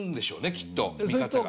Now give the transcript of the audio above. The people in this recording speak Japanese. きっと見方が。